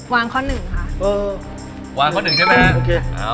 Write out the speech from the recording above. วางข้อ๑ค่ะ